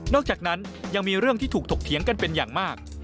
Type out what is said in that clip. อกจากนั้นยังมีเรื่องที่ถูกถกเถียงกันเป็นอย่างมาก